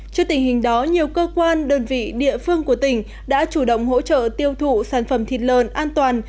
trước tình hình đó nhiều cơ quan đơn vị địa phương của tỉnh đã chủ động hỗ trợ tiêu thụ sản phẩm thịt lợn an toàn